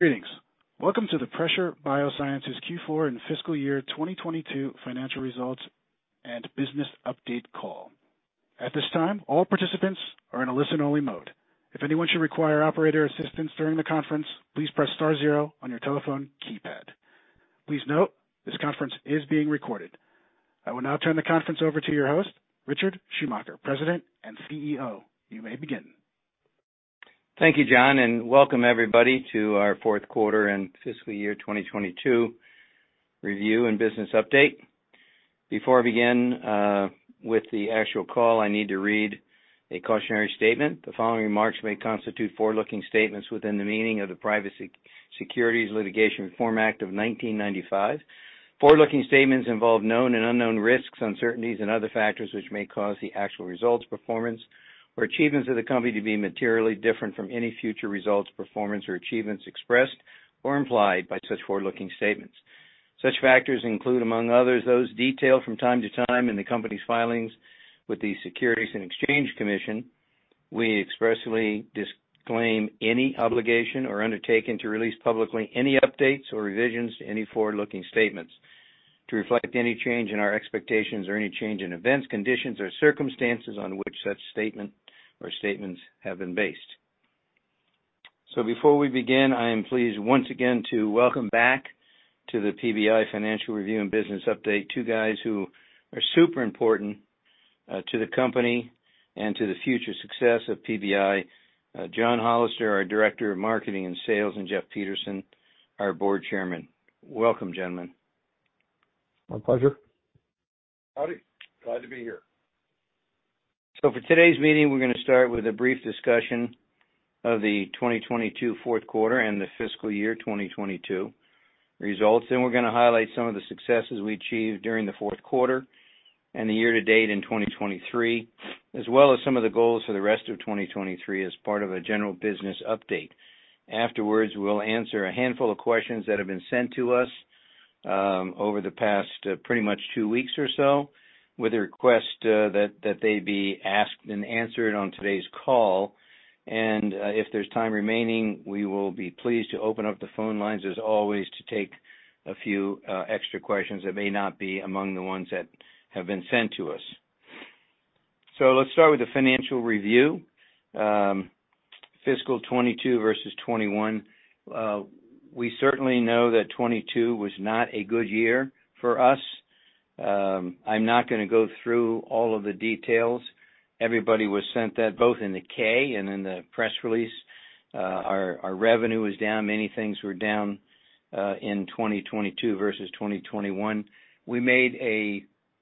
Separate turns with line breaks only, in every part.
Greetings. Welcome to the Pressure BioSciences Q4 and Fiscal Year 2022 Financial Results and Business Update Call. At this time, all participants are in a listen-only mode. If anyone should require operator assistance during the conference, please press star zero on your telephone keypad. Please note, this conference is being recorded. I will now turn the conference over to your host, Richard Schumacher, President and CEO. You may begin.
Thank you, John. Welcome everybody to our fourth quarter and fiscal year 2022 review and business update. Before I begin with the actual call, I need to read a cautionary statement. The following remarks may constitute forward-looking statements within the meaning of the Private Securities Litigation Reform Act of 1995. Forward-looking statements involve known and unknown risks, uncertainties, and other factors which may cause the actual results, performance, or achievements of the company to be materially different from any future results, performance, or achievements expressed or implied by such forward-looking statements. Such factors include, among others, those detailed from time to time in the company's filings with the Securities and Exchange Commission. We expressly disclaim any obligation or undertaking to release publicly any updates or revisions to any forward-looking statements to reflect any change in our expectations or any change in events, conditions, or circumstances on which such statement or statements have been based. So before we begin, I am pleased once again to welcome back to the PBI Financial Review and Business Update two guys who are super important to the company and to the future success of PBI. John Hollister, our Director of Marketing and Sales, and Jeff Peterson, our Board Chairman. Welcome, gentlemen.
My pleasure. Howdy. Glad to be here.
For today's meeting, we're gonna start with a brief discussion of the 2022 fourth quarter and the fiscal year 2022 results, and we're gonna highlight some of the successes we achieved during the fourth quarter and the year to date in 2023, as well as some of the goals for the rest of 2023 as part of a general business update. Afterwards, we'll answer a handful of questions that have been sent to us, over the past pretty much two weeks or so, with a request that they be asked and answered on today's call. And If there's time remaining, we will be pleased to open up the phone lines as always to take a few extra questions that may not be among the ones that have been sent to us. So let's start with the financial review. Fiscal 2022 versus 2021. We certainly know that 2022 was not a good year for us. I'm not gonna go through all of the details. Everybody was sent that both in the K and in the press release. Our revenue was down. Many things were down in 2022 versus 2021. We made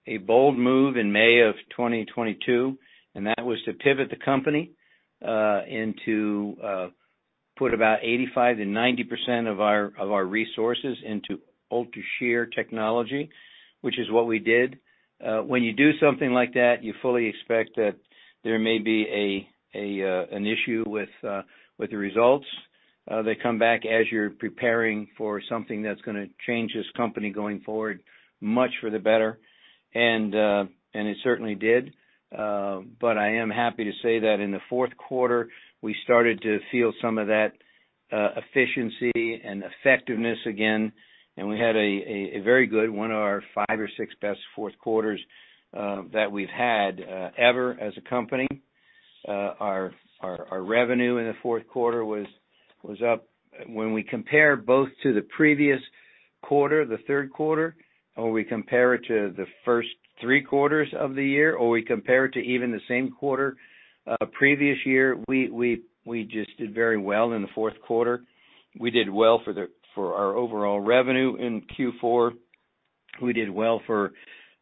a bold move in May of 2022, and that was to pivot the company into put about 85% and 90% of our resources into UltraShear technology, which is what we did. When you do something like that, you fully expect that there may be an issue with the results. They come back as you're preparing for something that's gonna change this company going forward much for the better, and it certainly did. And I am happy to say that in the fourth quarter, we started to feel some of that efficiency and effectiveness again, and we had a very good one of our five or six best fourth quarters that we've had ever as a company. Our revenue in the fourth quarter was up. When we compare both to the previous quarter, the third quarter, or we compare it to the first three quarters of the year, or we compare it to even the same quarter previous year, we we just did very well in the fourth quarter. We did well for our overall revenue in Q4. We did well for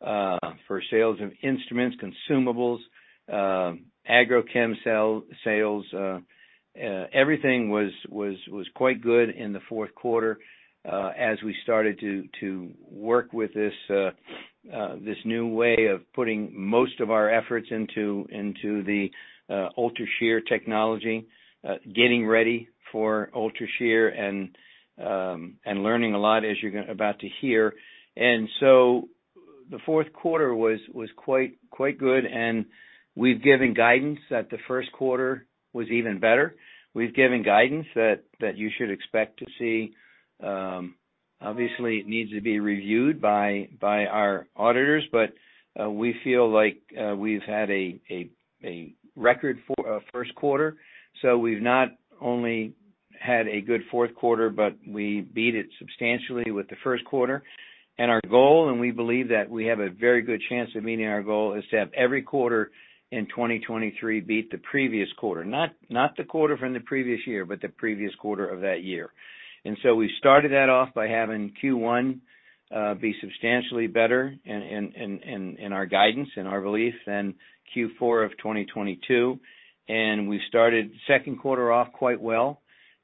for sales of instruments, consumables, agrochem sales. Everything was was quite good in the fourth quarter, as we started to work with this new way of putting most of our efforts into the UltraShear technology, getting ready for UltraShear and and learning a lot as you're about to hear. And so the fourth quarter was quite good, and we've given guidance that the first quarter was even better. We've given guidance that that you should expect to see. Obviously, it needs to be reviewed by by our auditors, but we feel like we've had a record for first quarter. So we've not only had a good fourth quarter, but we beat it substantially with the first quarter. Our goal, and we believe that we have a very good chance of meeting our goal, is to have every quarter in 2023 beat the previous quarter. Not not the quarter from the previous year, but the previous quarter of that year. and so we started that off by having Q1 be substantially better in our guidance, in our belief than Q4 of 2022. We started second quarter off quite well.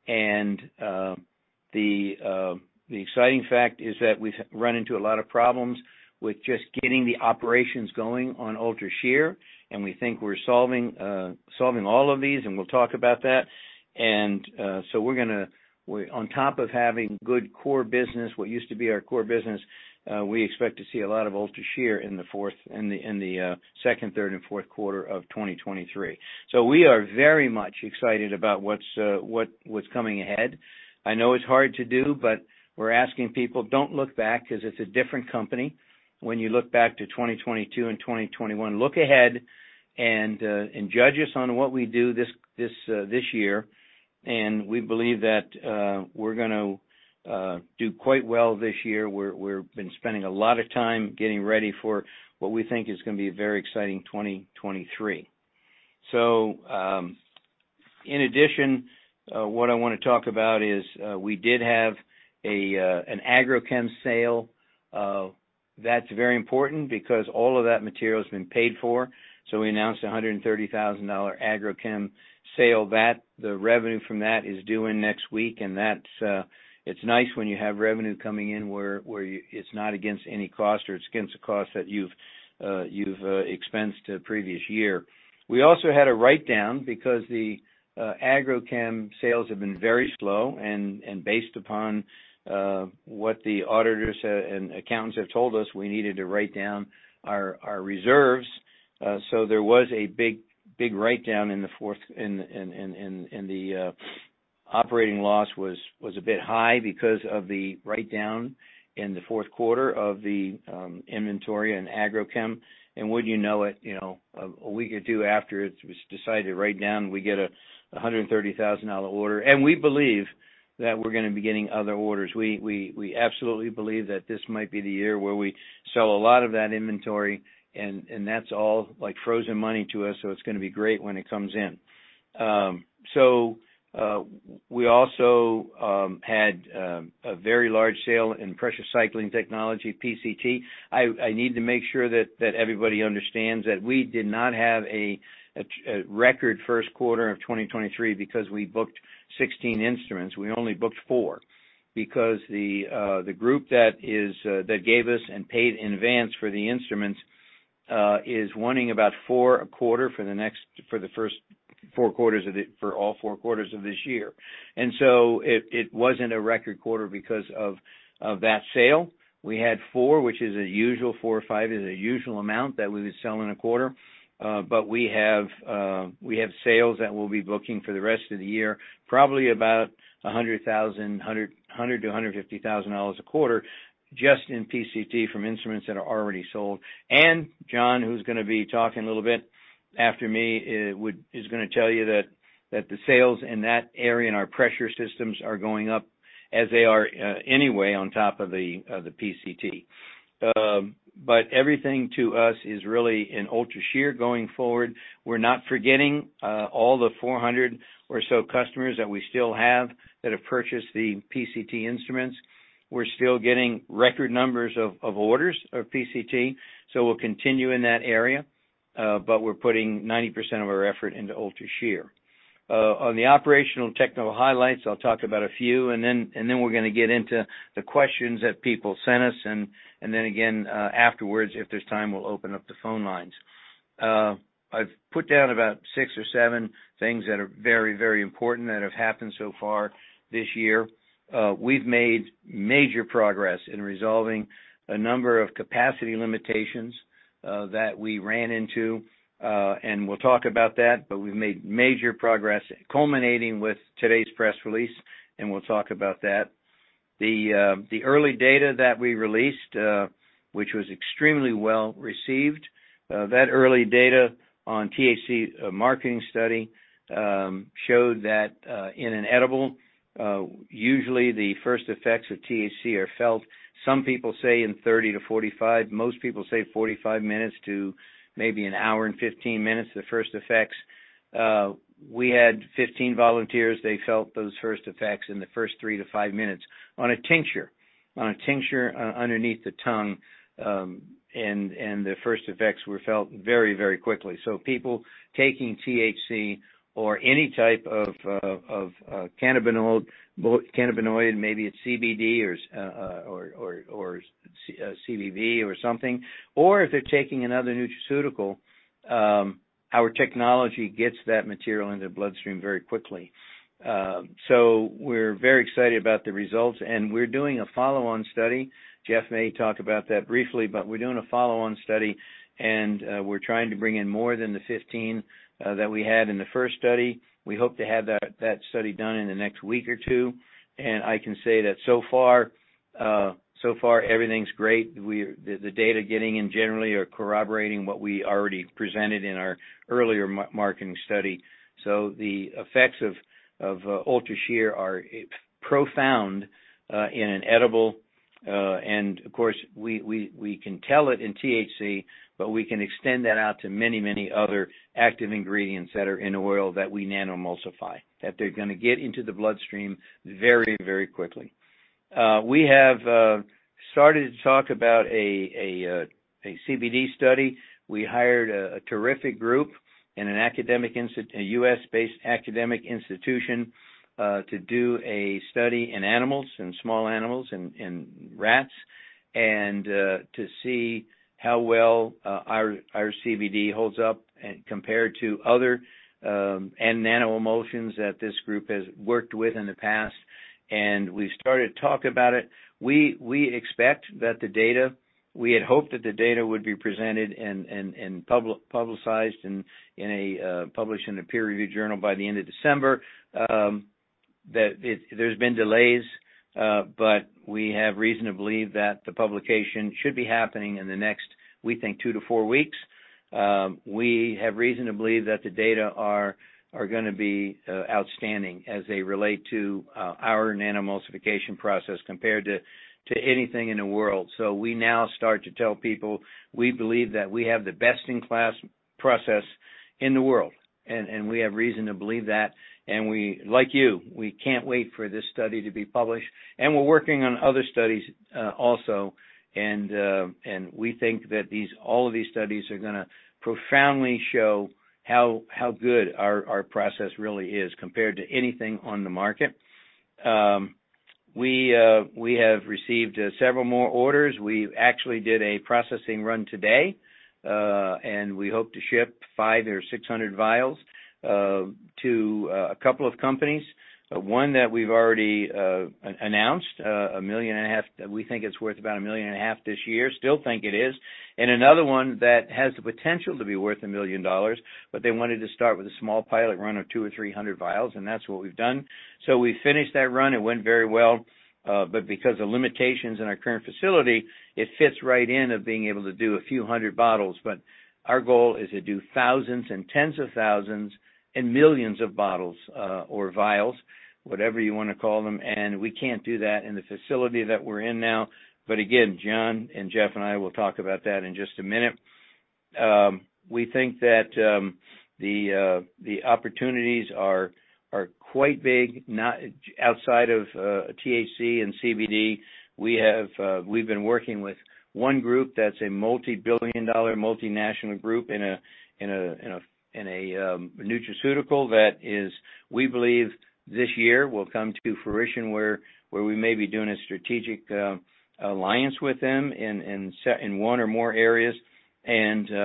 And the exciting fact is that we've run into a lot of problems with just getting the operations going on UltraShear, and we think we're solving, solving all of these, and we'll talk about that. And so we're gonna... On top of having good core business, what used to be our core business, we expect to see a lot of UltraShear in the fourth... in the second, third, and fourth quarter of 2023. We are very much excited about what's coming ahead. I know it's hard to do, but we're asking people, "Don't look back," 'cause it's a different company when you look back to 2022 and 2021. Look ahead and judge us on what we do this year, and we believe that we're gonna do quite well this year. We've been spending a lot of time getting ready for what we think is gonna be a very exciting 2023. ISo in addition, what I wanna talk about is we did have an agrochem sale. That's very important because all of that material's been paid for. So we announced a $130,000 agrochem sale. The revenue from that is due in next week and that's, it's nice when you have revenue coming in where it's not against any cost or it's against a cost that you've, you've expensed a previous year. We also had a write-down because the agrochem sales have been very slow and and based upon what the auditors and accountants have told us, we needed to write down our our reserves. There was a big write-down. In the operating loss was a bit high because of the write-down in the fourth quarter of the inventory in agrochem. And wouldn't you know it, you know, a week or two after it was decided to write down, we get a $130,000 order. We believe that we're gonna be getting other orders. We absolutely believe that this might be the year where we sell a lot of that inventory and that's all, like, frozen money to us, so it's gonna be great when it comes in. We also had a very large sale in Pressure Cycling Technology, PCT. I need to make sure that everybody understands that we did not have a record first quarter of 2023 because we booked 16 instruments. We only booked four because the group that gave us and paid in advance for the instruments is wanting about four a quarter for the next, for the first four quarters of it, for all four quarters of this year. And so it wasn't a record quarter because of that sale. We had 4, which is a usual. 4 or 5 is a usual amount that we would sell in a quarter. But we have, we have sales that we'll be booking for the rest of the year, probably about $100,000-$150,000 a quarter just in PCT from instruments that are already sold. So John, who's gonna be talking a little bit after me, is gonna tell you that the sales in that area, in our pressure systems, are going up as they are anyway, on top of the PCT. Everything to us is really in UltraShear going forward. We're not forgetting all the 400 or so customers that we still have that have purchased the PCT instruments. We're still getting record numbers of orders of PCT. We'll continue in that area. We're putting 90% of our effort into UltraShear. On the operational and technical highlights, I'll talk about a few and then we're gonna get into the questions that people sent us and then again, afterwards, if there's time, we'll open up the phone lines. I've put down about six or seven things that are very, very important that have happened so far this year. We've made major progress in resolving a number of capacity limitations that we ran into. We'll talk about that. We've made major progress culminating with today's press release. And we'll talk about that. The early data that we released, which was extremely well-received, that early data on THC marketing study showed that in an edible, usually the first effects of THC are felt, some people say in 30-45 minutes, most people say 45 minutes to maybe an hour and 15 minutes, the first effects. We had 15 volunteers. They felt those first effects in the first 3-5 minutes on a tincture, on a tincture underneath the tongue. The first effects were felt very, very quickly. People taking THC or any type of cannabinol, cannabinoid, maybe it's CBD or CBD or something, or if they're taking another nutraceutical, our technology gets that material into the bloodstream very quickly. We're very excited about the results, and we're doing a follow-on study. Jeff may talk about that briefly, but we're doing a follow-on study and we're trying to bring in more than the 15 that we had in the first study. We hope to have that study done in the next week or two, and I can say that so far, so far everything's great. The data getting in generally are corroborating what we already presented in our earlier marketing study. So the effects of UltraShear are profound in an edible. And of course, we can tell it in THC, but we can extend that out to many, many other active ingredients that are in oil that we nano-emulsify, that they're gonna get into the bloodstream very, very quickly. We have started to talk about a CBD study. We hired a terrific group in an academic, U.S.-based academic institution to do a study in animals, in small animals, in rats. To see how well our our CBD holds up and compared to other nanoemulsions that this group has worked with in the past. And we've started to talk about it. We we expect that the data, we had hoped that the data would be presented and publicized in a published in a peer-reviewed journal by the end of December. There's been delays, but we have reason to believe that the publication should be happening in the next, we think, 2-4 weeks. We have reason to believe that the data are, are gonna be outstanding as they relate to our nanoemulsion process compared to anything in the world. We now start to tell people we believe that we have the best-in-class process in the world, and we have reason to believe that. We, like you, we can't wait for this study to be published. We're working on other studies also. And we think that all of these studies are gonna profoundly show how how good our process really is compared to anything on the market. We we have received several more orders. We actually did a processing run today, and we hope to ship 500 or 600 vials to a couple of companies. One that we've already announced, a $1.5 million. We think it's worth about a $1.5 million this year, still think it is. Another one that has the potential to be worth $1 million, but they wanted to start with a small pilot run of 200 or 300 vials, and that's what we've done. We finished that run. It went very well. Because of limitations in our current facility, it fits right in of being able to do a few 100 bottles. But our goal is to do 1000s and 10s of 100s and millions of bottles, or vials, whatever you wanna call them. And we can't do that in the facility that we're in now. Again, John and Jeff and I will talk about that in just a minute. We think that the opportunities are, are quite big outside of THC and CBD. We have we've been working with one group that's a multi-billion dollar multinational group in a nutraceutical that is we believe this year will come to fruition, where, where we may be doing a strategic alliance with them in one or more areas.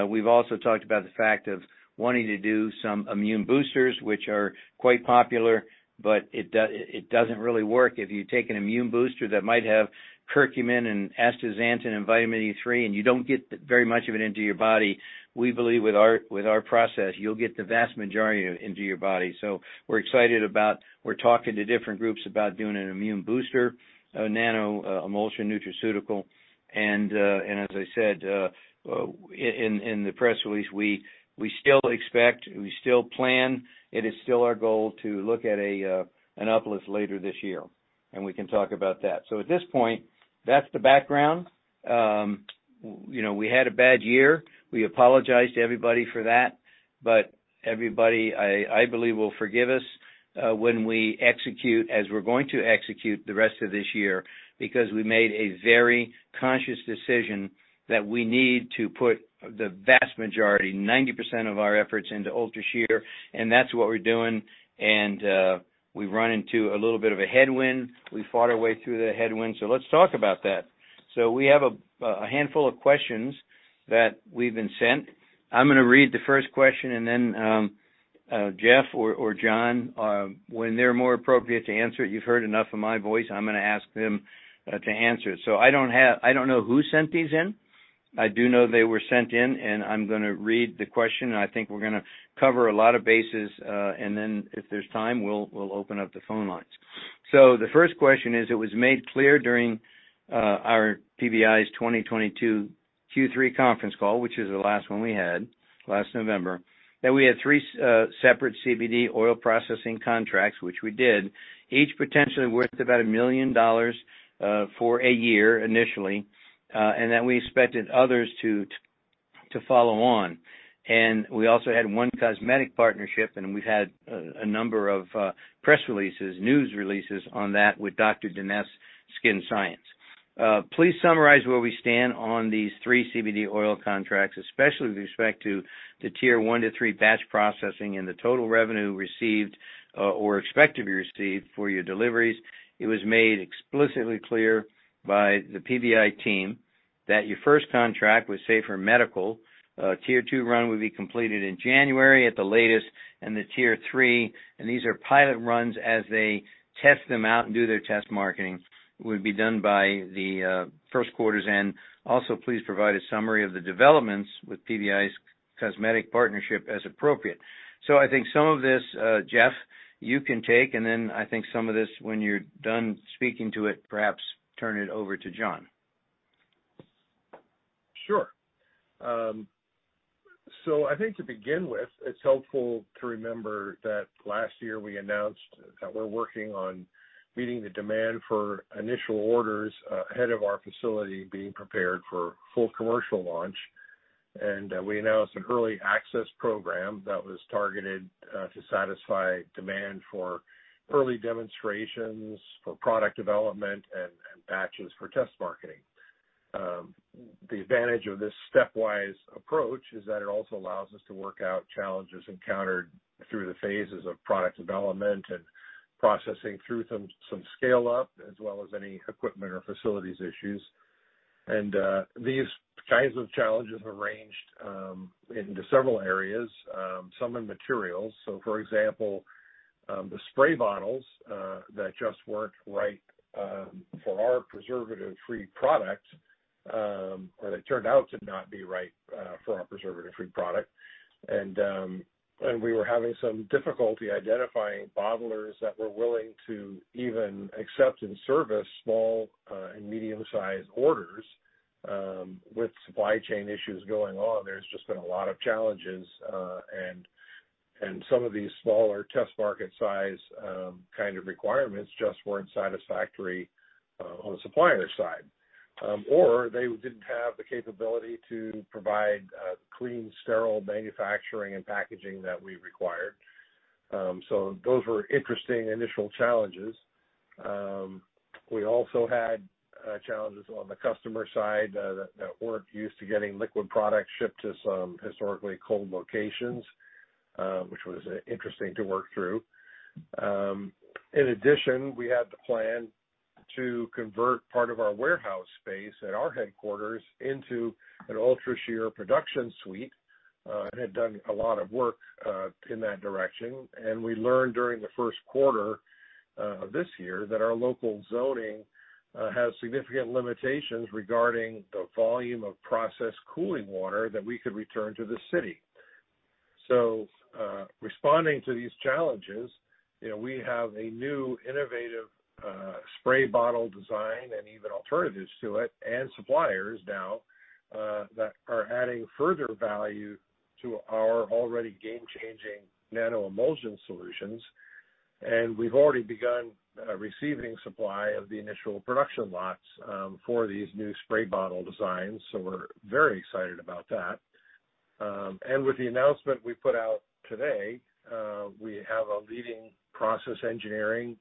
We've also talked about the fact of wanting to do some immune boosters, which are quite popular, but it doesn't really work if you take an immune booster that might have curcumin and astaxanthin and vitamin E3 and you don't get very much of it into your body. We believe with our, with our process, you'll get the vast majority of it into your body. We're excited about... We're talking to different groups about doing an immune booster, a nano emulsion nutraceutical. And and as I said in the press release, we still expect, we still plan, it is still our goal to look at an uplist later this year. We can talk about that. At this point, that's the background. You know, we had a bad year. We apologize to everybody for that, but everybody, I believe, will forgive us when we execute as we're going to execute the rest of this year because we made a very conscious decision that we need to put the vast majority, 90% of our efforts into UltraShear, and that's what we're doing. We've run into a little bit of a headwind. We fought our way through the headwind. Let's talk about that. We have a handful of questions that we've been sent. I'm gonna read the first question and then Jeff or John, when they're more appropriate to answer it, you've heard enough of my voice, I'm gonna ask them to answer it. I don't know who sent these in. I do know they were sent in, and I'm gonna read the question, and I think we're gonna cover a lot of bases, and then if there's time, we'll open up the phone lines. The first question is: It was made clear during our PBI's 2022 Q3 conference call, which is the last one we had last November, that we had three separate CBD oil processing contracts, which we did, each potentially worth about $1 million for a year initially, and that we expected others to follow on. We also had one cosmetic partnership, and we've had a number of press releases, news releases on that with Dr. Denese SkinScience. Please summarize where we stand on these three CBD oil contracts, especially with respect to the Tier 1-3 batch processing and the total revenue received, or expect to be received for your deliveries. It was made explicitly clear by the PBI team that your first contract with Safer Medical, Tier 2 run would be completed in January at the latest, and the Tier 3, and these are pilot runs as they test them out and do their test marketing, would be done by the first quarter's end. And please provide a summary of the developments with PBI's cosmetic partnership as appropriate. So I think some of this, Jeff, you can take, and then I think some of this, when you're done speaking to it, perhaps turn it over to John.
Sure. So I think to begin with, it's helpful to remember that last year we announced that we're working on meeting the demand for initial orders ahead of our facility being prepared for full commercial launch. We announced an Early Access Program that was targeted to satisfy demand for early demonstrations, for product development and batches for test marketing. The advantage of this stepwise approach is that it also allows us to work out challenges encountered through the phases of product development and processing through some scale-up, as well as any equipment or facilities issues. And these kinds of challenges have ranged into several areas, some in materials. So for example, the spray bottles that just weren't right for our preservative-free product, or they turned out to not be right for our preservative-free product. We were having some difficulty identifying bottlers that were willing to even accept and service small and medium-sized orders. With supply chain issues going on, there's just been a lot of challenges, and and some of these smaller test market size kind of requirements just weren't satisfactory on the supplier side. They didn't have the capability to provide clean, sterile manufacturing and packaging that we required. Those were interesting initial challenges. We also had challenges on the customer side that weren't used to getting liquid products shipped to some historically cold locations, which was interesting to work through. In addition, we had the plan to convert part of our warehouse space at our headquarters into an UltraShear production suite and had done a lot of work in that direction. And we learned during the first quarter of this year that our local zoning has significant limitations regarding the volume of processed cooling water that we could return to the city. Responding to these challenges, you know, we have a new innovative spray bottle design and even alternatives to it and suppliers now that are adding further value to our already game-changing nano emulsion solutions. And we've already begun receiving supply of the initial production lots for these new spray bottle designs, so we're very excited about that. With the announcement we put out today, we have a leading process engineering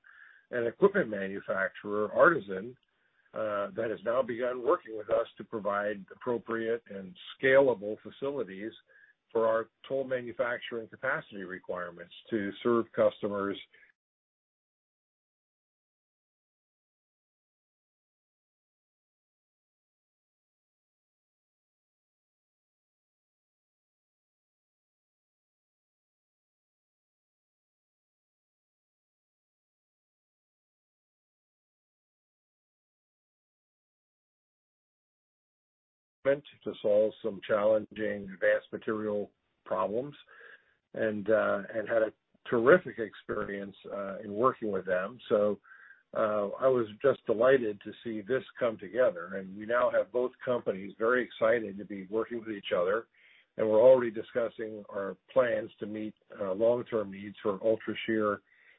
and equipment manufacturer, Artisan, that has now begun working with us to provide appropriate and scalable facilities for our total manufacturing capacity requirements to serve customers. Went to solve some challenging advanced material problems, and had a terrific experience in working with them. I was just delighted to see this come together, we now have both companies very excited to be working with each other, we're already discussing our plans to meet long-term needs for UltraShear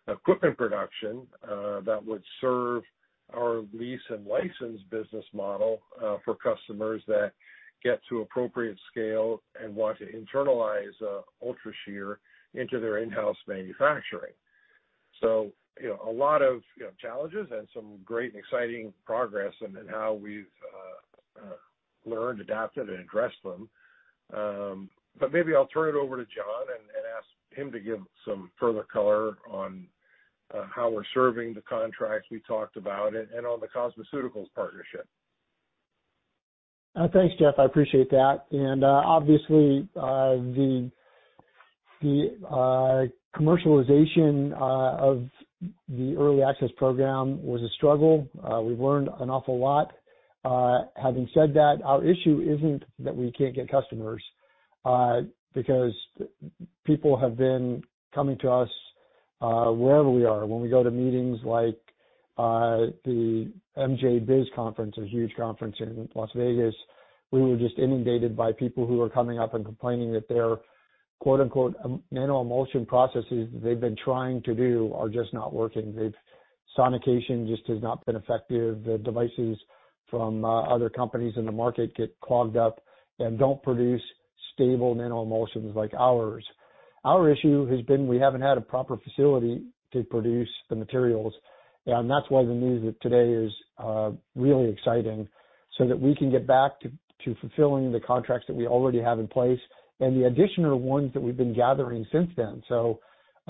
equipment production that would serve our lease and license business model for customers that get to appropriate scale and want to internalize UltraShear into their in-house manufacturing. You know, a lot of, you know, challenges and some great and exciting progress in how we've learned, adapted and addressed them. Maybe I'll turn it over to John and ask him to give some further color on how we're serving the contracts we talked about and on the cosmeceuticals partnership.
Thanks, Jeff. I appreciate that. Obviously, the commercialization of the Early Access Program was a struggle. We've learned an awful lot. Having said that, our issue isn't that we can't get customers, because people have been coming to us wherever we are. When we go to meetings like the MJBizCon conference, a huge conference in Las Vegas, we were just inundated by people who are coming up and complaining that their quote-unquote "nano-emulsion processes" they've been trying to do are just not working. Sonication just has not been effective. The devices from other companies in the market get clogged up and don't produce stable nano-emulsions like ours. Our issue has been we haven't had a proper facility to produce the materials. You know that's why the news of today is really exciting, so that we can get back to fulfilling the contracts that we already have in place and the additional ones that we've been gathering since then. You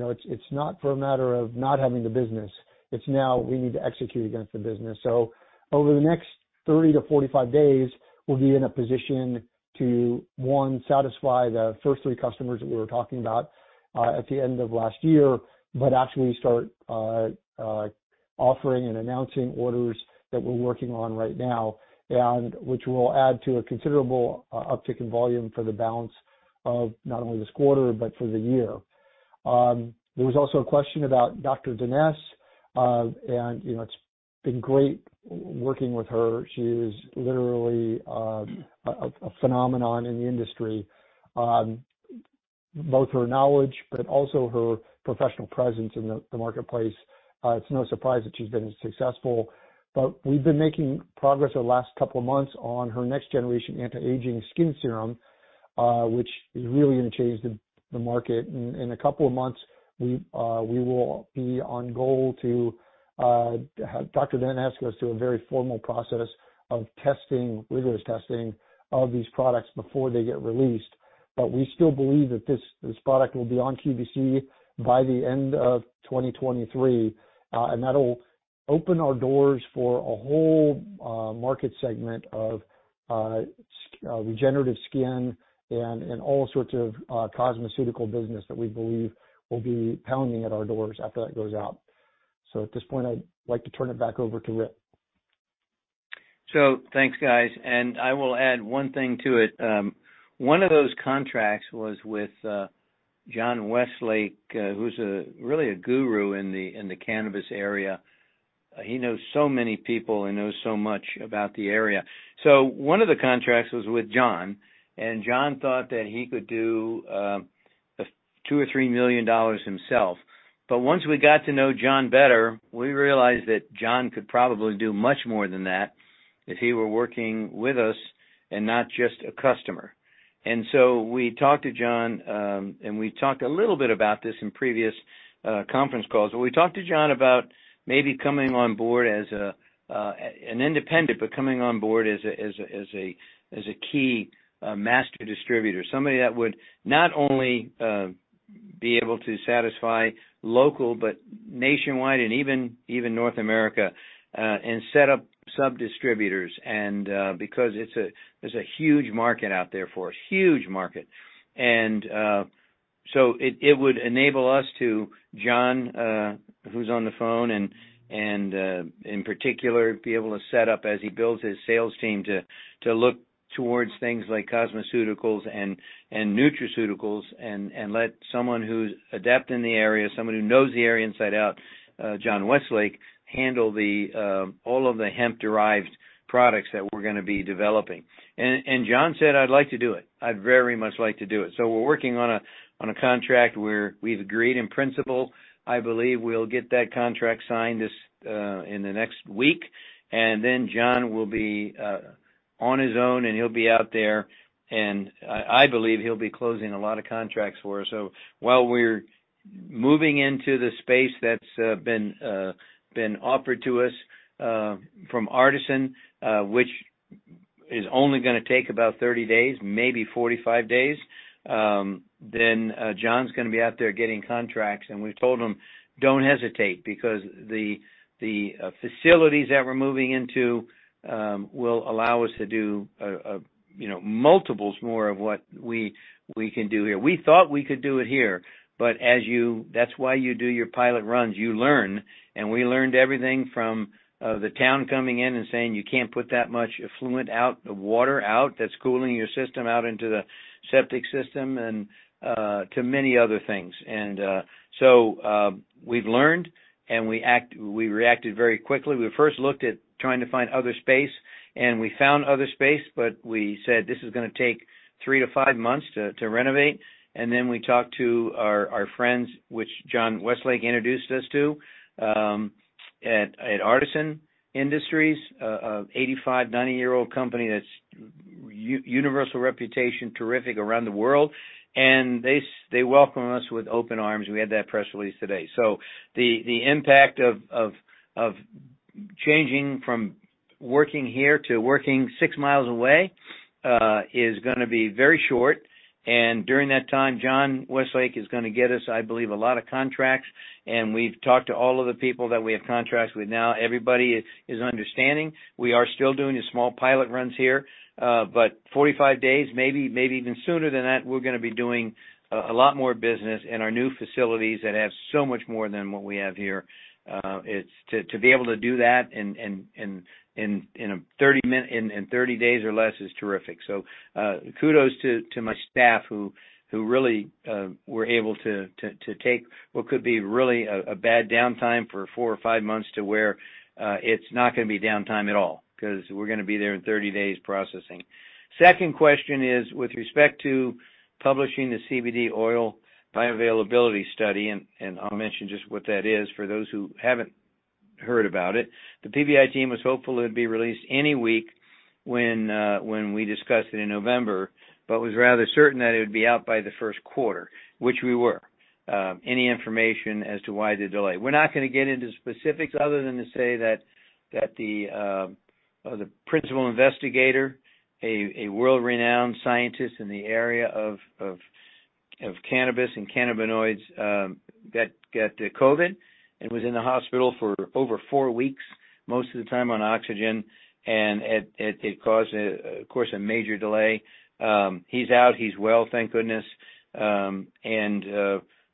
know, it's not for a matter of not having the business. It's now we need to execute against the business. Over the next 30-45 days, we'll be in a position to, one, satisfy the first three customers that we were talking about at the end of last year, but actually start offering and announcing orders that we're working on right now and which will add to a considerable uptick in volume for the balance of not only this quarter but for the year. There was also a question about Dr. Denese. You know, it's been great working with her. She is literally a phenomenon in the industry. Both her knowledge but also her professional presence in the marketplace, it's no surprise that she's been successful. We've been making progress over the last couple of months on her next-generation anti-aging skin serum. Which is really gonna change the market. In a couple of months, we will be on goal to have Dr. Denese ask us through a very formal process of testing, rigorous testing of these products before they get released. But we still believe that this product will be on QVC by the end of 2023. And that'll open our doors for a whole market segment of regenerative skin and all sorts of cosmeceutical business that we believe will be pounding at our doors after that goes out. So at this point, I'd like to turn it back over to Ric.
So thanks, guys. I will add one thing to it. One of those contracts was with John Westlake, who's a really a guru in the cannabis area. He knows so many people and knows so much about the area. One of the contracts was with John, and John thought that he could do $2 million-$3 million himself. Once we got to know John better, we realized that John could probably do much more than that if he were working with us and not just a customer. We talked to John, and we talked a little bit about this in previous conference calls. We talked to John about maybe coming on board as an independent, but coming on board as a key master distributor. Somebody that would not only be able to satisfy local, but nationwide and even North America, and set up sub-distributors because there's a huge market out there for us, huge market. And so it would enable us to John, who's on the phone in particular be able to set up as he builds his sales team to look towards things like cosmeceuticals and nutraceuticals and let someone who's adept in the area, someone who knows the area inside out, John Westlake, handle all of the hemp-derived products that we're gonna be developing. John said, "I'd like to do it. I'd very much like to do it." We're working on a contract where we've agreed in principle. I believe we'll get that contract signed this in the next week. Then John will be on his own, and he'll be out there. I believe he'll be closing a lot of contracts for us. While we're moving into the space that's been, been offered to us from Artisan, which is only gonna take about 30 days, maybe 45 days, then John's gonna be out there getting contracts. And we've told him, "Don't hesitate because the facilities that we're moving into will allow us to do, you know, multiples more of what we can do here." We thought we could do it here, but as you that's why you do your pilot runs, you learn. And we've learned everything from the town coming in and saying, "You can't put that much effluent out, the water out that's cooling your system out into the septic system, and " to many other things. And so we've learned, and we reacted very quickly. We first looked at trying to find other space, and we found other space, but we said, "This is gonna take 3 to 5 months to renovate." We talked to our friends, which John Westlake introduced us to, at Artisan Industries, a 85, 90-year-old company that's universal reputation, terrific around the world. And they, they welcomed us with open arms. We had that press release today. The impact of changing from working here to working 6 miles away is going to be very short. During that time, John Westlake is gonna get us, I believe, a lot of contracts. And we've talked to all of the people that we have contracts with now. Everybody is understanding. We are still doing the small pilot runs here. 45 days, maybe even sooner than that, we're gonna be doing a lot more business in our new facilities that have so much more than what we have here. It's to be able to do that in 30 days or less is terrific. Kudos to my staff who really were able to take what could be really a bad downtime for four or five months to where it's not gonna be downtime at all, 'cause we're gonna be there in 30 days processing. Second question is with respect to publishing the CBD oil bioavailability study, and I'll mention just what that is for those who haven't heard about it. The PBI team was hopeful it'd be released any week when, when we discussed it in November, but was rather certain that it would be out by the first quarter, which we were. Any information as to why the delay? We're not gonna get into specifics other than to say that the principal investigator, a world-renowned scientist in the area of cannabis and cannabinoids, got COVID, and was in the hospital for over four weeks, most of the time on oxygen. It caused a, of course, a major delay. He's out. He's well, thank goodness.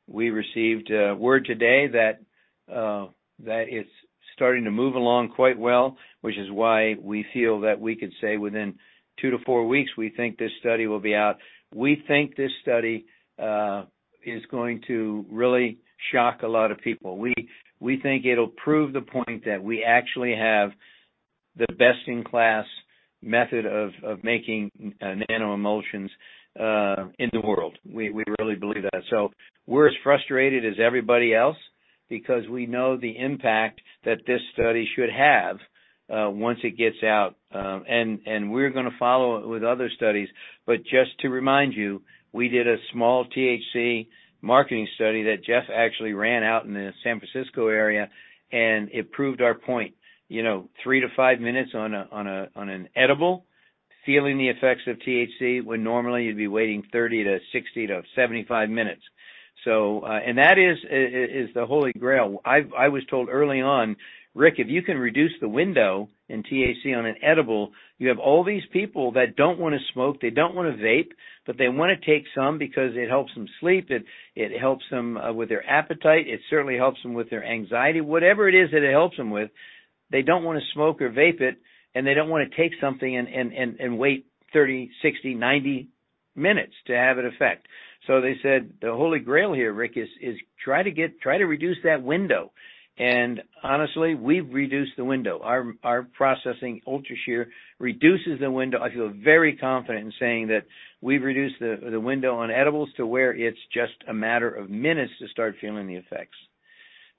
We received word today that it's starting to move along quite well, which is why we feel that we could say within 2-4 weeks, we think this study will be out. We think this study is going to really shock a lot of people. We think it'll prove the point that we actually have the best-in-class method of making nanoemulsions in the world. We really believe that. We're as frustrated as everybody elseBecause we know the impact that this study should have once it gets out. We're gonna follow with other studies. Just to remind you, we did a small THC marketing study that Jeff actually ran out in the San Francisco area, and it proved our point. You know, 3-5 minutes on a, on a, on an edible, feeling the effects of THC, when normally you'd be waiting 30-60-75 minutes. And that is the holy grail. I was told early on, "Ric, if you can reduce the window in THC on an edible, you have all these people that don't wanna smoke, they don't wanna vape, but they wanna take some because it helps them sleep, it helps them with their appetite, it certainly helps them with their anxiety. Whatever it is that it helps them with, they don't wanna smoke or vape it, and they don't wanna take something and wait 30, 60, 90 minutes to have an effect." So they said, "The holy grail here, Ric, is try to reduce that window." Honestly, we've reduced the window. Our processing, UltraShear, reduces the window. I feel very confident in saying that we've reduced the window on edibles to where it's just a matter of minutes to start feeling the effects.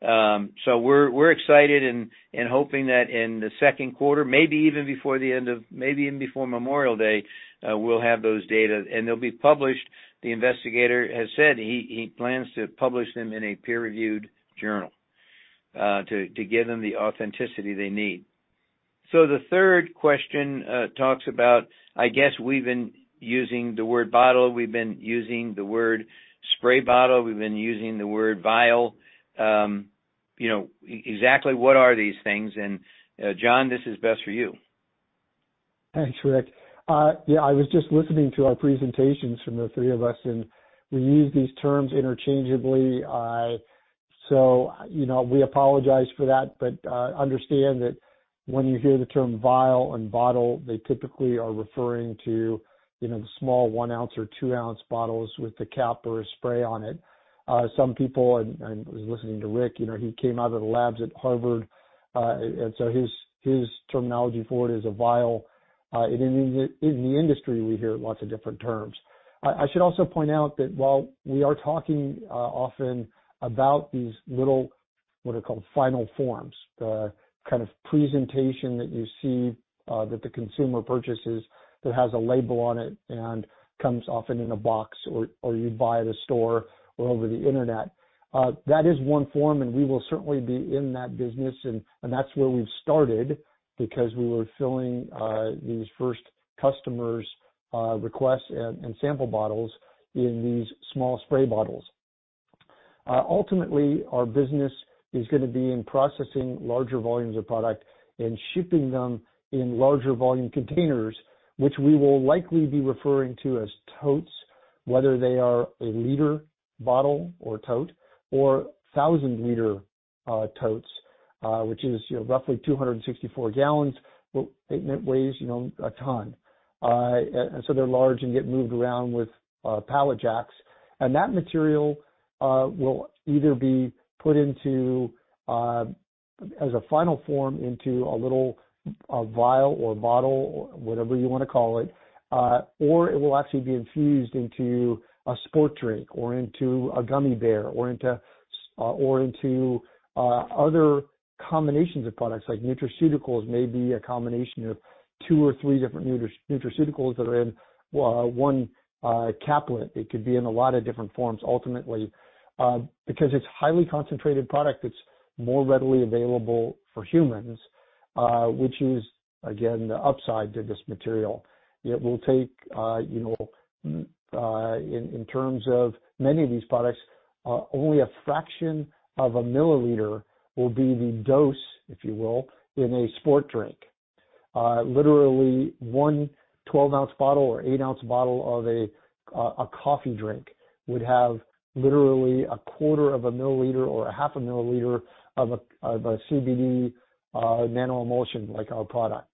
We're excited and hoping that in the second quarter, maybe even before Memorial Day, we'll have those data. They'll be published. The investigator has said he plans to publish them in a peer-reviewed journal to give them the authenticity they need. The third question, talks about, I guess, we've been using the word bottle, we've been using the word spray bottle, we've been using the word vial. You know, exactly what are these things? And John, this is best for you.
Thanks, Ric. Yeah, I was just listening to our presentations from the three of us, and we use these terms interchangeably. You know, we apologize for that. Understand that when you hear the term vial and bottle, they typically are referring to, you know, the small one oz or two oz bottles with the cap or a spray on it. Some people, and I was listening to Ric, you know, he came out of the labs at Harvard, and so his his terminology for it is a vial. In the industry, we hear lots of different terms. I should also point out that while we are talking often about these little, what are called final forms, the kind of presentation that you see that the consumer purchases that has a label on it and comes often in a box or you buy at a store or over the Internet. That is one form, and we will certainly be in that business and that's where we've started because we were filling these first customers' requests and sample bottles in these small spray bottles. Ultimately, our business is gonna be in processing larger volumes of product and shipping them in larger volume containers, which we will likely be referring to as totes, whether they are a liter bottle or tote, or 1,000-liter totes, which is, you know, roughly 264 gallons. Well, it weighs, you know, a ton. They're large and get moved around with pallet jacks. That material will either be put into as a final form into a little, a vial or bottle or whatever you wanna call it, or it will actually be infused into a sport drink or into a gummy bear or into other combinations of products like nutraceuticals, maybe a combination of two or three different nutraceuticals that are in one caplet. It could be in a lot of different forms ultimately. Because it's highly concentrated product, it's more readily available for humans, which is again, the upside to this material. It will take, you know, in terms of many of these products, only a fraction of a milliliter will be the dose, if you will, in a sport drink. Literally one 12 oz bottle or 8 oz bottle of a coffee drink would have literally a 1/4 of 1 mm or a 1/2 mm of a CBD nano emulsion, like our product.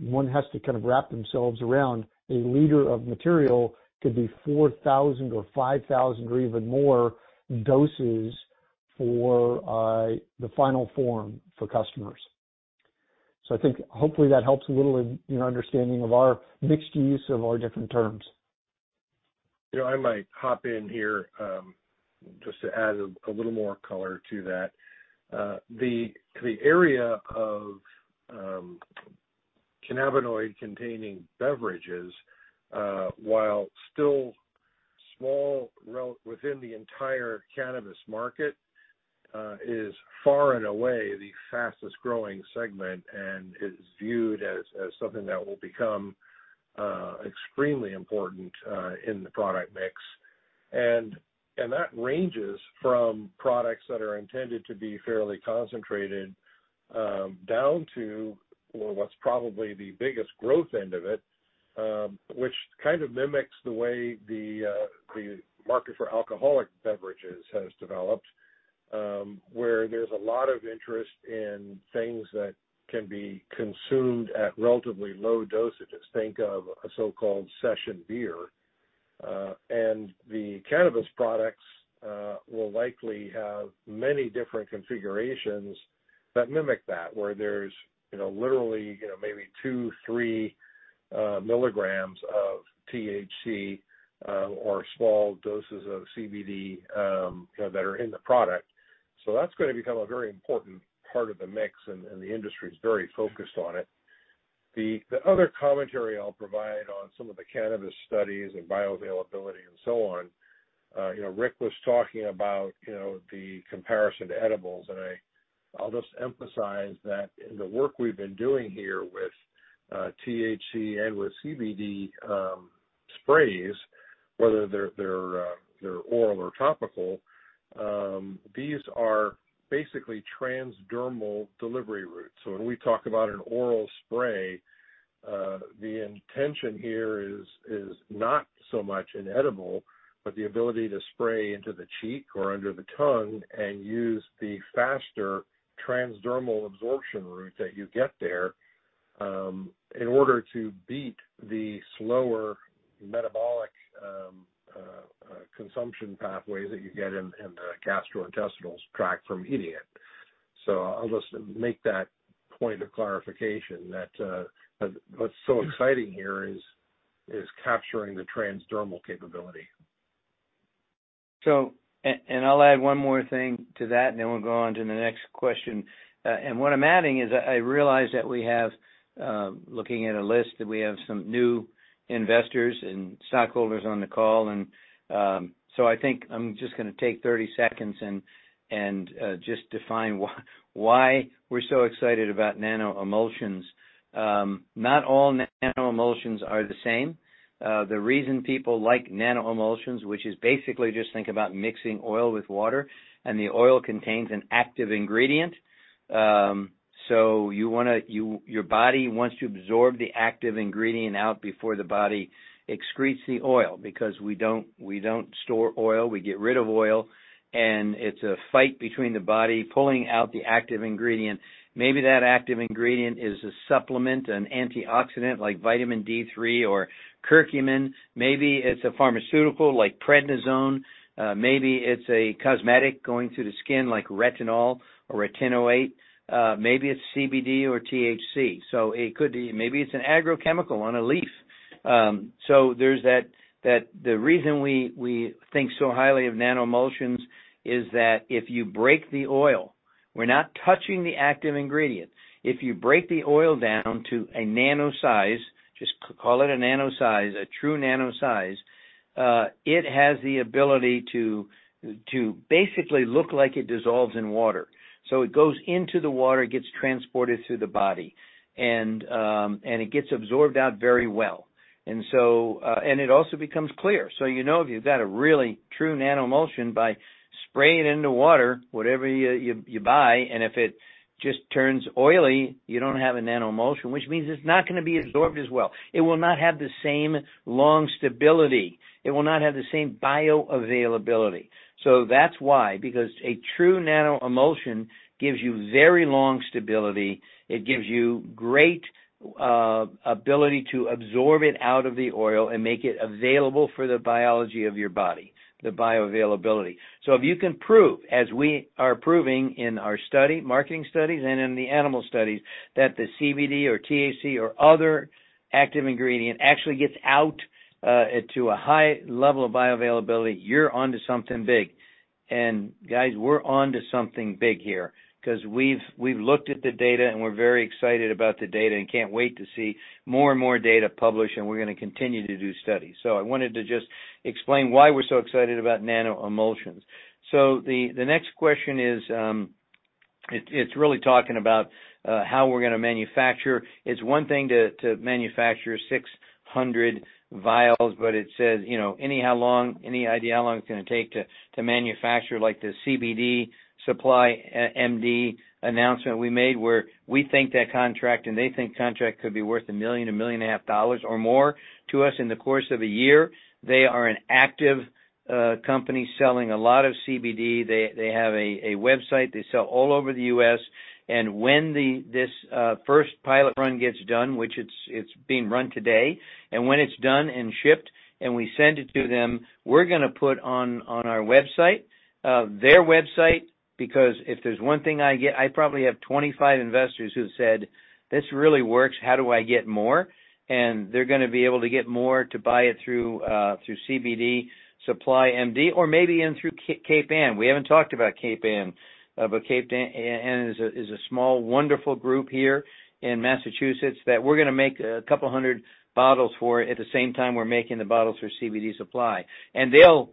One has to kind of wrap themselves around a liter of material could be 4,000 or 5,000 or even more doses for the final form for customers. So I think hopefully that helps a little in understanding of our mixed use of our different terms.
You know, I might hop in here, just to add a little more color to that. The area of cannabinoid-containing beverages while still small within the entire cannabis market is far and away the fastest-growing segment and is viewed as something that will become extremely important in the product mix. And that ranges from products that are intended to be fairly concentrated down to what's probably the biggest growth end of it, which kind of mimics the way the market for alcoholic beverages has developed, where there's a lot of interest in things that can be consumed at relatively low dosages. Just think of a so-called session beer. The cannabis products will likely have many different configurations That mimic that, where there's, you know, literally, you know, maybe two, three mg of THC, or small doses of CBD, you know, that are in the product. That's gonna become a very important part of the mix, and the industry's very focused on it. The other commentary I'll provide on some of the cannabis studies and bioavailability and so on, you know, Ric was talking about, you know, the comparison to edibles. I'll just emphasize that in the work we've been doing here with THC and with CBD, sprays, whether they're oral or topical, these are basically transdermal delivery routes. When we talk about an oral spray, the intention here here is not so much an edible, but the ability to spray into the cheek or under the tongue and use the faster transdermal absorption route that you get there, in order to beat the slower metabolic consumption pathway that you get in the gastrointestinal tract from eating it. So I'll just make that point of clarification that what's so exciting here is capturing the transdermal capability.
So and I'll add one more thing to that, and then we'll go on to the next question. What I'm adding is I realize that we have, looking at a list, that we have some new investors and stockholders on the call. I think I'm just gonna take 30 seconds and, just define why we're so excited about nano emulsions. Not all nano emulsions are the same. The reason people like nano emulsions, which is basically just think about mixing oil with water, and the oil contains an active ingredient. So you wanna, your body wants to absorb the active ingredient out before the body excretes the oil, because we don't, we don't store oil, we get rid of oil. It's a fight between the body pulling out the active ingredient. Maybe that active ingredient is a supplement, an antioxidant like vitamin D3 or curcumin. Maybe it's a pharmaceutical like prednisone. Maybe it's a cosmetic going through the skin like retinol or retinoate. Maybe it's CBD or THC. Maybe it's an agrochemical on a leaf. So there's that the reason we think so highly of nano emulsions is that if you break the oil, we're not touching the active ingredient. If you break the oil down to a nano size, just call it a nano size, a true nano size, it has the ability to basically look like it dissolves in water. It goes into the water, it gets transported through the body, and it gets absorbed out very well. And so, and it also becomes clear. You know if you've got a really true nanoemulsion by spraying it into water, whatever you buy, and if it just turns oily, you don't have a nanoemulsion, which means it's not gonna be absorbed as well. It will not have the same long stability. It will not have the same bioavailability. That's why, because a true nanoemulsion gives you very long stability, it gives you great ability to absorb it out of the oil and make it available for the biology of your body, the bioavailability. So if you can prove, as we are proving in our study, marketing studies and in the animal studies, that the CBD or THC or other active ingredient actually gets out to a high level of bioavailability, you're onto something big. Guys, we're onto something big here 'cause we've looked at the data and we're very excited about the data and can't wait to see more and more data published. We're gonna continue to do studies. I wanted to just explain why we're so excited about nano-emulsions. The next question is, it's really talking about how we're gonna manufacture. It's one thing to manufacture 600 vials, but it says, you know, anyhow long, any idea how long it's gonna take to manufacture like the CBD Supply MD announcement we made, where we think that contract and they think contract could be worth $1 million, a $1.5 nmillion or more to us in the course of a year. They are an active company selling a lot of CBD. They have a website. They sell all over the U.S. When this first pilot run gets done, which it's being run today, and when it's done and shipped and we send it to them, we're gonna put on our website, their website because if there's one thing I get, I probably have 25 investors who said, "This really works. How do I get more?" They're gonna be able to get more to buy it through CBD Supply MD or maybe in through Cape Ann. We haven't talked about Cape Ann. Cape Ann is a small wonderful group here in Massachusetts that we're gonna make a couple hundred bottles for at the same time we're making the bottles for CBD Supply. They'll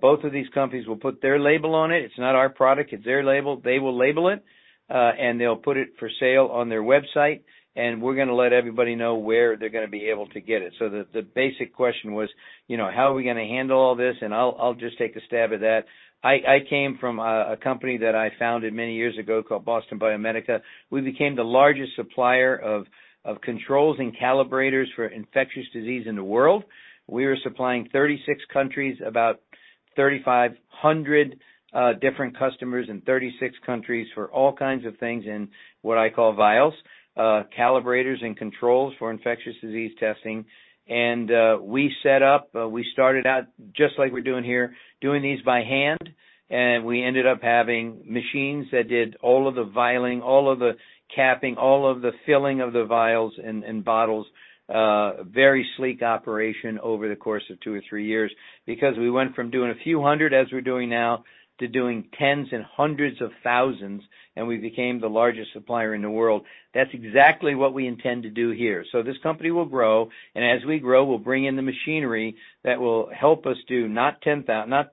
both of these companies will put their label on it. It's not our product, it's their label. They will label it, they'll put it for sale on their website, and we're gonna let everybody know where they're gonna be able to get it. The basic question was, you know, how are we gonna handle all this? I'll just take a stab at that. I came from a company that I founded many years ago called Boston Biomedica. We became the largest supplier of controls and calibrators for infectious disease in the world. We were supplying 36 countries, about 3,500 different customers in 36 countries for all kinds of things in what I call vials. Calibrators and controls for infectious disease testing. And we set up, we started out just like we're doing here, doing these by hand. And we ended up having machines that did all of the vialing, all of the capping, all of the filling of the vials and bottles, very sleek operation over the course of two or three years. We went from doing a few hundred as we're doing now, to doing 10s and 100s of 1000s, and we became the largest supplier in the world. That's exactly what we intend to do here. This company will grow, and as we grow, we'll bring in the machinery that will help us do not 600,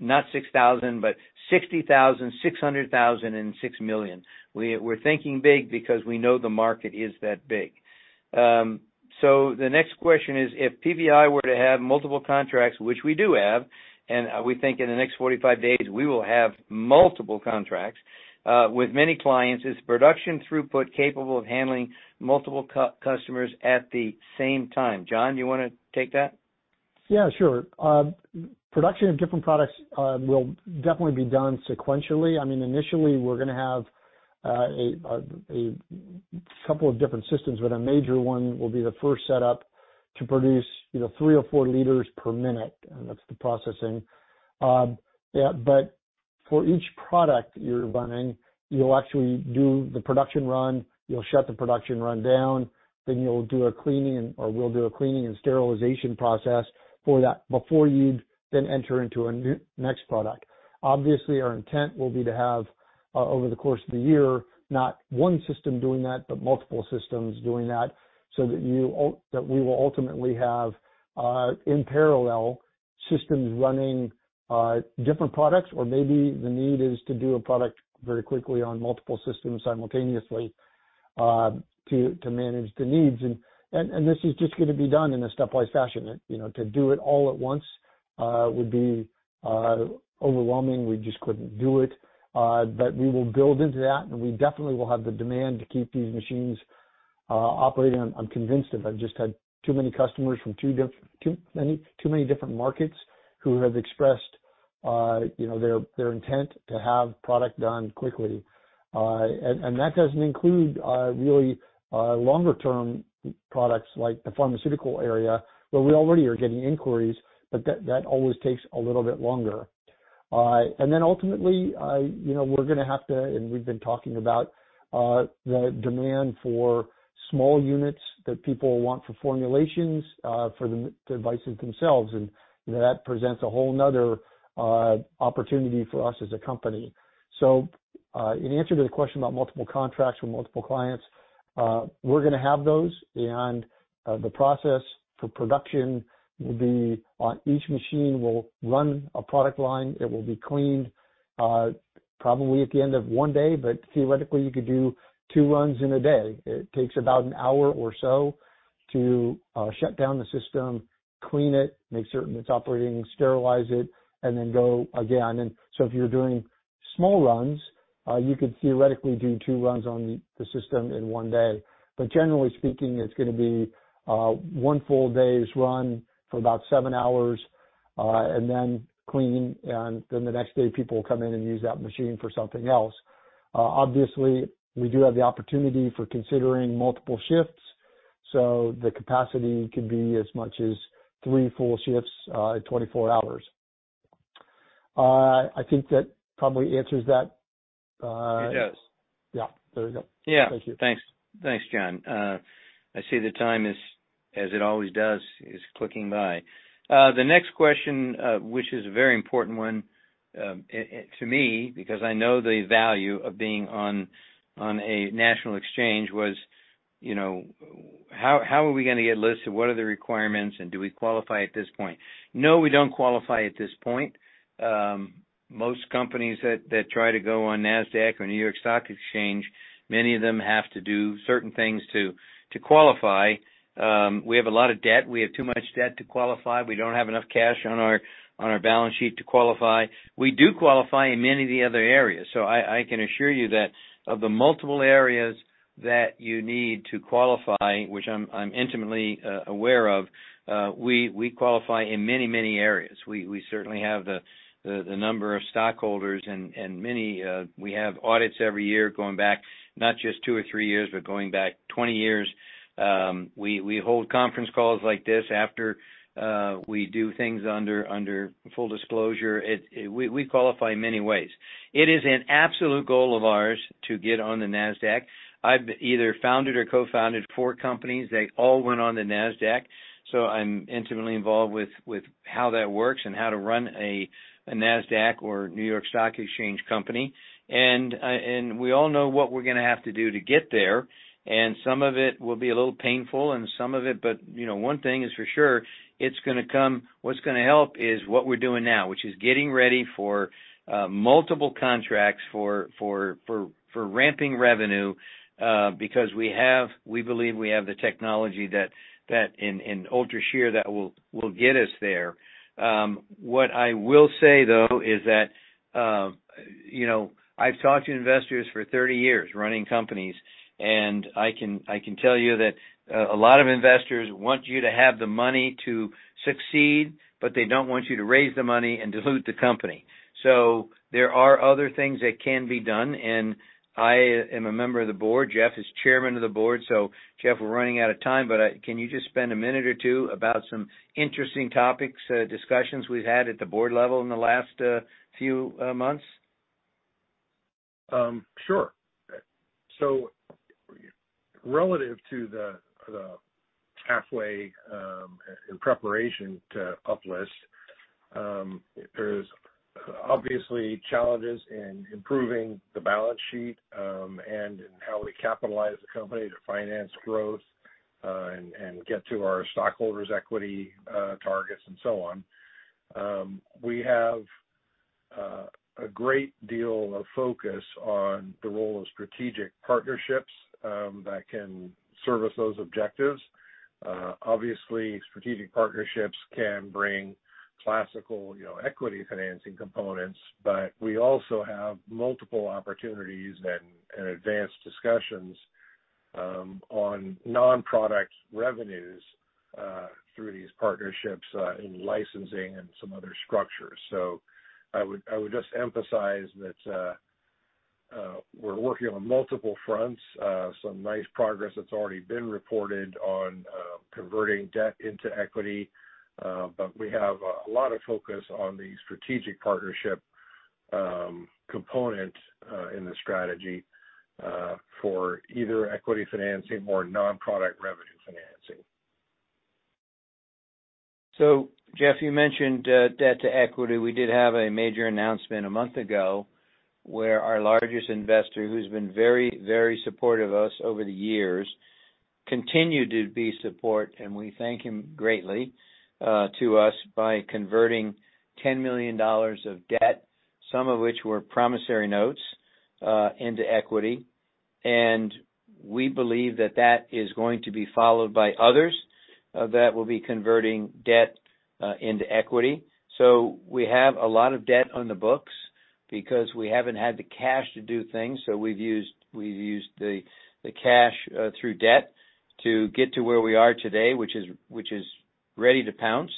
not 6,000, but 60,000, 600,000, and 6 million. We're thinking big because we know the market is that big. The next question is if PBI were to have multiple contracts, which we do have, and we think in the next 45 days we will have multiple contracts with many clients, is production throughput capable of handling multiple customers at the same time? John, do you wanna take that?
Yeah, sure. Production of different products will definitely be done sequentially. I mean, initially, we're gonna have a couple of different systems, but a major one will be the first setup to produce, you know, three or four liters per minute, and that's the processing. For each product you're running, you'll actually do the production run, you'll shut the production run down, then you'll do a cleaning or we'll do a cleaning and sterilization process for that before you then enter into a new, next product. Obviously, our intent will be to have, over the course of the year, not one system doing that, but multiple systems doing that so that we will ultimately have, in parallel systems running, different products. Maybe the need is to do a product very quickly on multiple systems simultaneously, to manage the needs. And this is just gonna be done in a stepwise fashion. You know, to do it all at once, would be overwhelming. We just couldn't do it. But we will build into that, and we definitely will have the demand to keep these machines operating. I'm convinced of. I've just had too many customers from too many different markets who have expressed, you know, their intent to have product done quickly. That doesn't include, really, longer-term products like the pharmaceutical area where we already are getting inquiries, but that always takes a little bit longer. And then ultimately, you know, we're gonna have to, and we've been talking about, the demand for small units that people want for formulations, for the devices themselves. And that presents a whole another opportunity for us as a company. So in answer to the question about multiple contracts with multiple clients, we're gonna have those beyond. The process for production will be on each machine will run a product line. It will be cleaned, probably at the end of one day, but theoretically, you could do two runs in a day. It takes about an hour or so to shut down the system, clean it, make certain it's operating, sterilize it, and then go again. If you're doing small runs, you could theoretically do two runs on the system in one day. Generally speaking, it's gonna be one full day's run for about seven hours, and then cleaning, and then the next day, people will come in and use that machine for something else. Obviously, we do have the opportunity for considering multiple shifts, so the capacity could be as much as three full shifts in 24 hours. I think that probably answers that.
It does.
Yeah, there we go.
Yeah.
Thank you.
Thanks, John. I see the time is, as it always does, is clicking by. The next question, which is a very important one, to me because I know the value of being on a national exchange was, you know, how how are we gonna get listed, what are the requirements, and do we qualify at this point? No, we don't qualify at this point. Most companies that try to go on Nasdaq or New York Stock Exchange, many of them have to do certain things to qualify. We have a lot of debt. We have too much debt to qualify. We don't have enough cash on our balance sheet to qualify. We do qualify in many of the other areas. So I can assure you that of the multiple areas that you need to qualify, which I'm intimately aware of, we qualify in many areas. We certainly have the number of stockholders and many, we have audits every year going back not just two or three years, but going back 20 years. We hold conference calls like this after we do things under full disclosure. We qualify in many ways. It is an absolute goal of ours to get on the Nasdaq. I've either founded or co-founded four companies. They all went on the Nasdaq, so I'm intimately involved with how that works and how to run a Nasdaq or New York Stock Exchange company. We all know what we're gonna have to do to get there, and some of it will be a little painful, and some of it. You know, one thing is for sure, it's gonna come. What's gonna help is what we're doing now, which is getting ready for multiple contracts for for for ramping revenue, because we have, we believe we have the technology that in UltraShear that will get us there. What I will say, though, is that, you know, I've talked to investors for 30 years running companies. And I can, I can tell you that a lot of investors want you to have the money to succeed, but they don't want you to raise the money and dilute the company. There are other things that can be done, and I am a member of the board. Jeff is chairman of the board. So Jeff, we're running out of time, but, can you just spend a minute or two about some interesting topics, discussions we've had at the board level in the last, few, months?
Sure. Relative to the pathway, in preparation to uplist, there's obviously challenges in improving the balance sheet, and in how we capitalize the company to finance growth, and and get to our stockholders' equity targets and so on. We have a great deal of focus on the role of strategic partnerships that can service those objectives. Obviously, strategic partnerships can bring classical, you know, equity financing components. But we also have multiple opportunities and advanced discussions on non-product revenues through these partnerships in licensing and some other structures. So I would, I would just emphasize that we're working on multiple fronts. Some nice progress that's already been reported on converting debt into equity. We have a lot of focus on the strategic partnership, component, in the strategy, for either equity financing or non-product revenue financing.
So Jeff, you mentioned debt to equity. We did have a major announcement a month ago, where our largest investor, who's been very, very supportive of us over the years, continued to be support, and we thank him greatly, to us by converting $10 million of debt, some of which were promissory notes, into equity. We believe that that is going to be followed by others, that will be converting debt, into equity. So we have a lot of debt on the books because we haven't had the cash to do things. We've used, we've used the cash through debt to get to where we are today, which is, which is ready to pounce.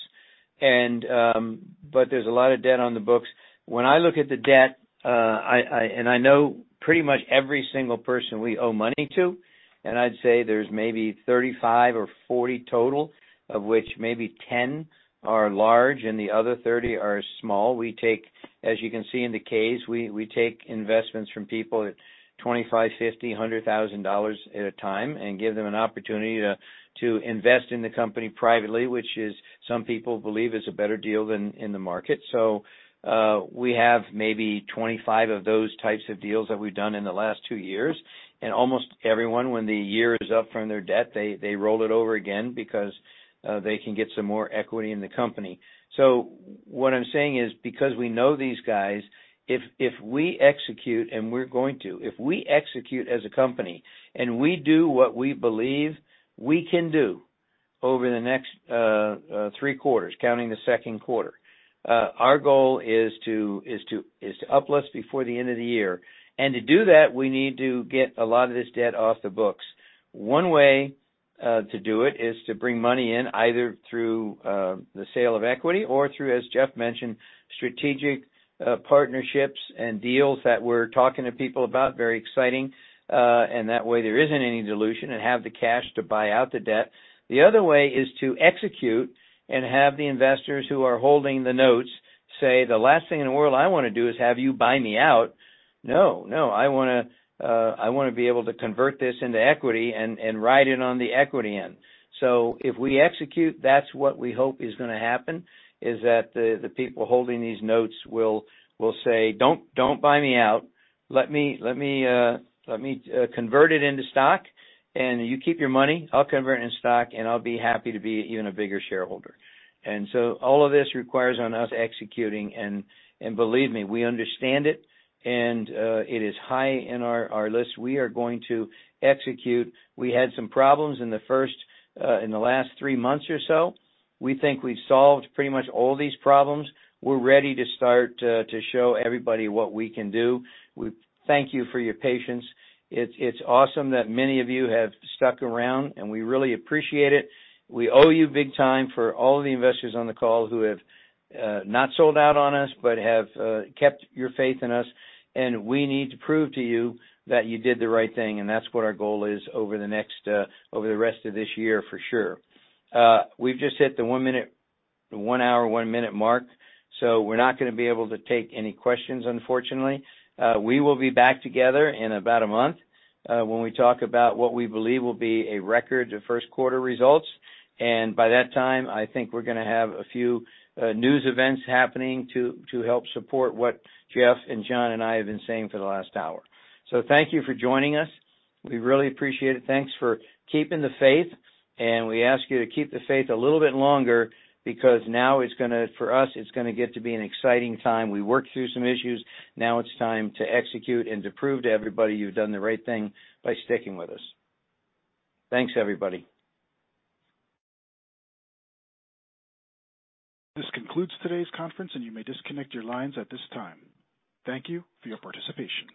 There's a lot of debt on the books. When I look at the debt, I know pretty much every single person we owe money to, and I'd say there's maybe 35 or 40 total, of which maybe 10 are large and the other 30 are small. We take, as you can see in the case, we take investments from people at $25,000, $50,000, $100,000 at a time and give them an opportunity to invest in the company privately, which, some people believe, is a better deal than in the market. We have maybe 25 of those types of deals that we've done in the last two years. Almost everyone, when the year is up from their debt, they roll it over again because they can get some more equity in the company. So what I'm saying is, because we know these guys, if we execute, and we're going to, if we execute as a company, and we do what we believe we can do over the next three quarters, counting the second quarter, our goal is to uplist before the end of the year. To do that, we need to get a lot of this debt off the books. One way to do it is to bring money in, either through the sale of equity or through, as Jeff mentioned, strategic partnerships and deals that we're talking to people about. Very exciting. That way, there isn't any dilution and have the cash to buy out the debt. The other way is to execute and have the investors who are holding the notes say, "The last thing in the world I wanna do is have you buy me out. No, no, I wanna, I wanna be able to convert this into equity and ride in on the equity end." If we execute, that's what we hope is gonna happen, is that the people holding these notes will say, "Don't buy me out. Let me, let me, let me convert it into stock and you keep your money. I'll convert it into stock, and I'll be happy to be even a bigger shareholder." All of this requires on us executing. Believe me, we understand it, and it is high in our list. We are going to execute. We had some problems in the first, in the last 3 months or so. We think we've solved pretty much all these problems. We're ready to start to show everybody what we can do. We thank you for your patience. It's awesome that many of you have stuck around, we really appreciate it. We owe you big time for all the investors on the call who have not sold out on us have kept your faith in us. We need to prove to you that you did the right thing, and that's what our goal is over the next, over the rest of this year for sure. We've just hit the one minute, one hour, one minute mark, we're not gonna be able to take any questions, unfortunately. We will be back together in about a month, when we talk about what we believe will be a record of first quarter results. And by that time, I think we're gonna have a few news events happening to help support what Jeff and John and I have been saying for the last hour. So thank you for joining us. We really appreciate it. Thanks for keeping the faith. We ask you to keep the faith a little bit longer because now it's gonna, for us, it's gonna get to be an exciting time. We worked through some issues. Now it's time to execute and to prove to everybody you've done the right thing by sticking with us. Thanks, everybody.
This concludes today's conference, and you may disconnect your lines at this time. Thank you for your participation.